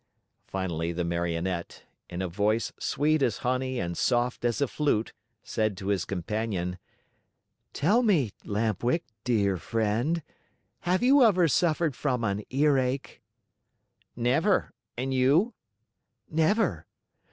Finally the Marionette, in a voice sweet as honey and soft as a flute, said to his companion: "Tell me, Lamp Wick, dear friend, have you ever suffered from an earache?" "Never! And you?" "Never!